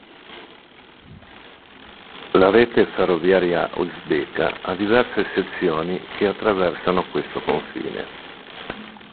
La rete ferroviaria uzbeka ha diverse sezioni che attraversano questo confine.